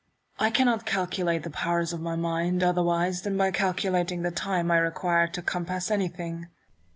I cannot calculate the powers of my mind, otherwise than by calculating the time I require to compass anything.